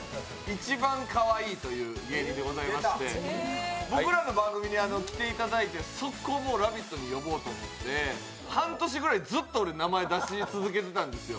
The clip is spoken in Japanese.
いちばんかわいいという芸人でございまして僕らの番組に来ていただいて速攻「ラヴィット！」に呼ぼうと思って半年ぐいらいずっと名前出し続けていたんですよ。